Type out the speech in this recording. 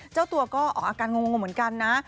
เจ้าตัวก็ออกอาการงงเหมือนกันนะ